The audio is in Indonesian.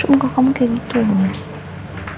sungguh kamu kaya gitu mas